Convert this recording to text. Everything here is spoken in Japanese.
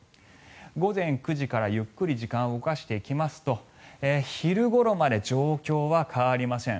午前９時からゆっくり時間を動かしていきますと昼ごろまで状況は変わりません。